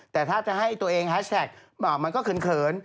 แต่ถ้าจะให้ตัวเองแฮชแท็กมันก็เขิน